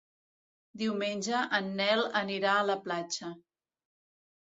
Diumenge en Nel anirà a la platja.